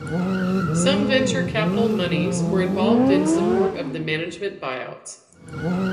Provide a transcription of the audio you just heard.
Some venture capital monies were involved in support of the management buyouts.